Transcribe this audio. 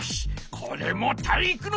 これも体育ノ